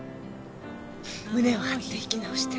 胸を張って生き直して。